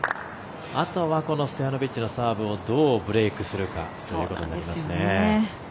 あとはこのストヤノビッチのサーブをどうブレークするかということになりますね。